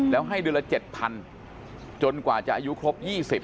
แล้วให้เดือนละ๗๐๐จนกว่าจะอายุครบ๒๐